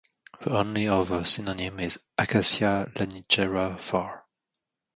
The only other synonym is "Acacia lanigera" var.